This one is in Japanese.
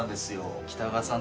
北川さん